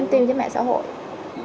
em tìm với mẹ xã hội